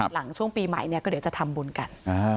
หลังช่วงปีใหม่เนี่ยก็เดี๋ยวจะทำบุญกัน